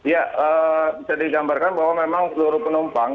ya bisa digambarkan bahwa memang seluruh penumpang